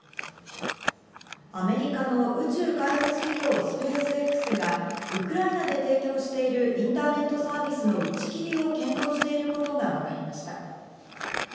アメリカの宇宙開発企業スペースＸがウクライナで提供しているインターネットサービスの打ち切りを検討していることがわかりました。